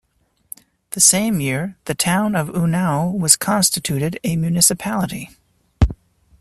The same year the town of Unnao was constituted a Municipality.